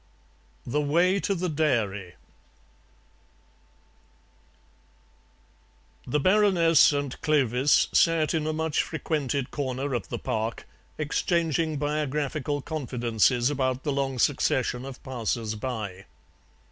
THE WAY TO THE DAIRY The Baroness and Clovis sat in a much frequented corner of the Park exchanging biographical confidences about the long succession of passers by.